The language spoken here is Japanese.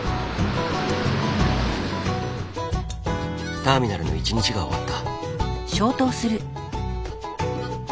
ターミナルの一日が終わった。